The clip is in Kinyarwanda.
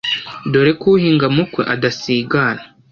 dore ko uhinga mukwe adasigana